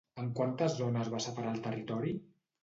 En quantes zones va separar el territori?